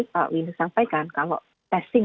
pak windu sampaikan kalau testing